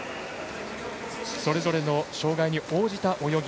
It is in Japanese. それぞれの障がいに応じた泳ぎ。